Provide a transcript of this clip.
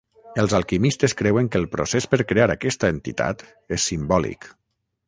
Els alquimistes creuen que el procés per crear aquesta entitat és simbòlic.